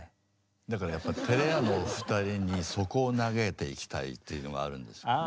だからやっぱてれ屋のお二人にそこを投げていきたいっていうのがあるんでしょうね。